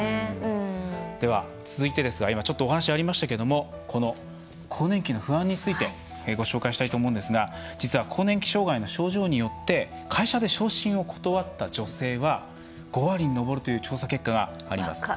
では続いてですが今ちょっとお話ありましたけれどもこの更年期の不安についてご紹介したいと思うんですが実は更年期障害の症状によって会社で昇進を断った女性は５割に上るという調査結果があります。